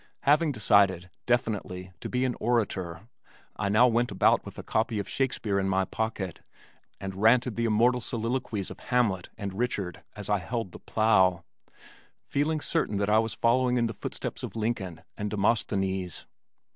Having decided, definitely, to be an orator, I now went about with a copy of Shakespeare in my pocket and ranted the immortal soliloquies of Hamlet and Richard as I held the plow, feeling certain that I was following in the footprints of Lincoln and Demosthenes.